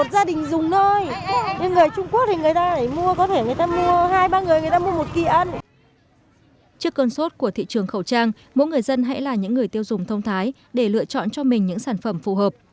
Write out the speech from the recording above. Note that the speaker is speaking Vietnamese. trước cơn sốt của thị trường khẩu trang mỗi người dân hãy là những người tiêu dùng thông thái để lựa chọn cho mình những sản phẩm phù hợp